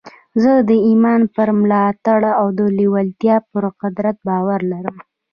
زه د ايمان پر ملاتړ د لېوالتیا پر قدرت باور لرم.